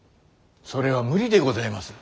それは無理でございます。